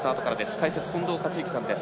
解説、近藤克之さんです。